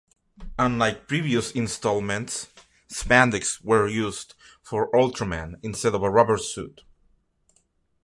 Unlike previous installments, spandex were used for Ultraman instead of a rubber suit.